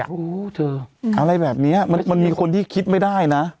อ่ะอู้เธออะไรแบบนี้อ่ะมันมันมีคนที่คิดไม่ได้นะ